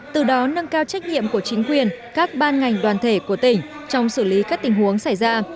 từ đó nâng cao trách nhiệm của chính quyền các ban ngành đoàn thể của tỉnh trong xử lý các tình huống xảy ra